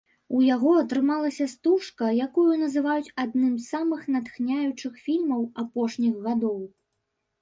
У яго атрымалася стужка, якую называюць адным з самых натхняючых фільмаў апошніх гадоў.